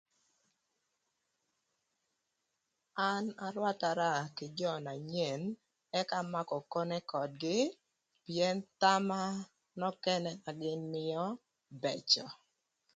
An arwatara kï jö na nyen ëka amakö okone ködgï pïën thama nökënë na gïn mïö bëcö.